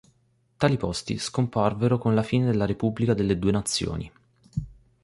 Tali posti scomparvero con la fine della Repubblica delle Due Nazioni.